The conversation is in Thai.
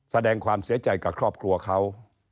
แสดงความเสียใจกับครอบครัวเขา